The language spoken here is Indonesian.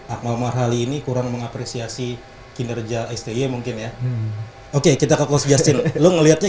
ahmad ali ini kurang mengapresiasi kinerja sti mungkin ya oke kita ke kos jasin lu ngeliatnya